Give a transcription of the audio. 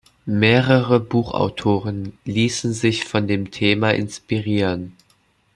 Mehrere Buchautoren ließen sich von dem Thema inspirieren.